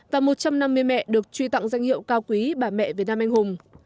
và một trăm năm mươi mẹ được truy tặng danh hiệu cao quý bà mẹ việt nam anh hùng